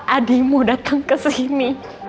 adi mau dateng kesini